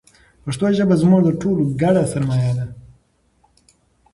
پښتو ژبه زموږ د ټولو ګډه سرمایه ده.